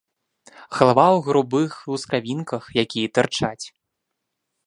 Галава ў грубых лускавінках, якія тырчаць.